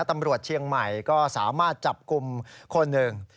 ตำรวจเชียงใหม่ก็สามารถจับกลุ่มคนหนึ่ง